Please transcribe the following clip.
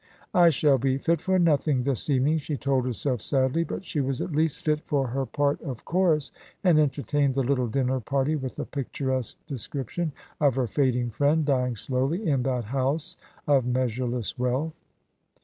"I shall be fit for nothing this evening," she told herself sadly; but she was at least fit for her part of Chorus, and entertained the little dinner party with a picturesque description of her fading friend, dying slowly in that house of measureless wealth.